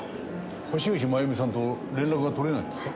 橋口まゆみさんと連絡が取れないんですか？